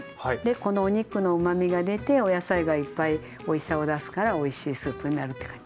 このお肉のうまみが出てお野菜がいっぱいおいしさを出すからおいしいスープになるって感じ。